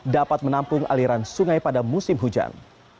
dapat menampung aliran sungai pada musim hujan